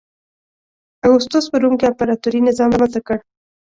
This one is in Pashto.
اګوستوس په روم کې امپراتوري نظام رامنځته کړ.